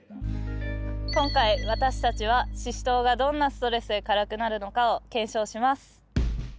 今回私たちはシシトウがどんなストレスで辛くなるのかを検証します。